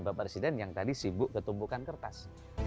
bapak presiden yang tadi sibuk ketumpukan kertas